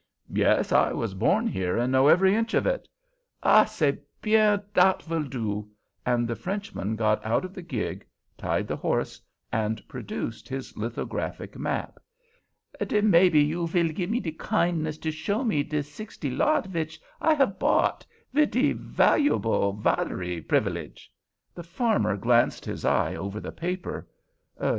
"Yes, I was born here, and know every inch of it." "Ah, c'est bien, dat vill do," and the Frenchman got out of the gig, tied the horse, and produced his lithographic map. "Den maybe you vill have de kindness to show me de sixty lot vich I have bought, vid de valuarble vatare privalege?" The farmer glanced his eye over the paper.